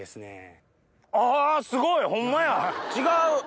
あすごいホンマや違う。